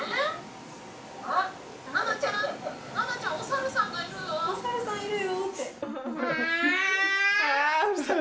ななちゃん、おサルさんがいるよ。